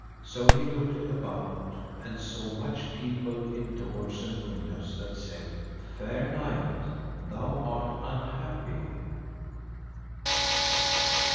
So he looked about, and saw much people in doors and windows that said, Fair knight, thou art unhappy.